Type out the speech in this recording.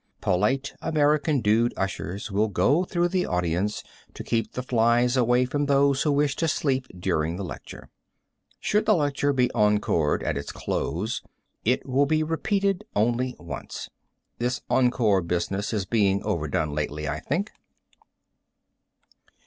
Polite American dude ushers will go through the audience to keep the flies away from those who wish to sleep during the lecture. Should the lecture be encored at its close, it will be repeated only once. This encore business is being overdone lately, I think.